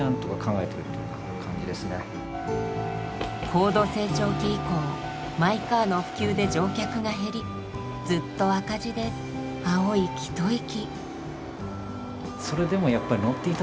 高度成長期以降マイカーの普及で乗客が減りずっと赤字で青息吐息。